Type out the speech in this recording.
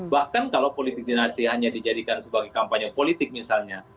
bahkan kalau politik dinasti hanya dijadikan sebagai kampanye politik misalnya